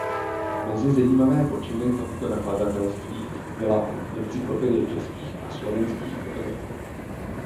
Mezi zajímavé počiny tohoto nakladatelství byla "Encyklopedie českých a slovenských fotografů".